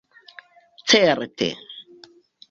Certe.